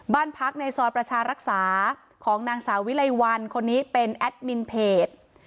บ้านพักในซอยประชารักษาของนางสาววิไลวันคนนี้เป็นแอดมินเพจ